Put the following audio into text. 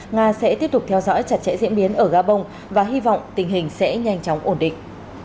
nga sẽ tiếp tục theo dõi chặt chẽ diễn biến ở gabon và hy vọng tình hình sẽ nhanh chóng ổn định